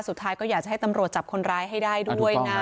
สุดท้ายก็อยากจะให้ตำรวจจับคนร้ายให้ได้ด้วยนะ